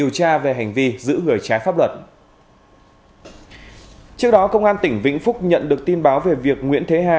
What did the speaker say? trước đó công an tỉnh vĩnh phúc nhận được tin báo về việc nguyễn thế hà